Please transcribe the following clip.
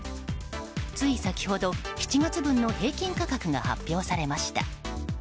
つい先ほど７月分の平均価格が発表されました。